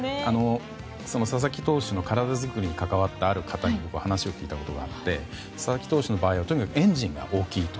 佐々木投手の体作りに関わったある方に話を聞いたことがあって佐々木投手の場合はとにかくエンジンが大きいと。